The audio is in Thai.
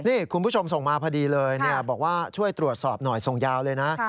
นี่คุณผู้ชมส่งมาพอดีเลยบอกว่าช่วยตรวจสอบหน่อยส่งยาวเลยนะ